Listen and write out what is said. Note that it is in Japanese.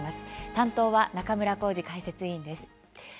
担当は中村幸司解説委員です。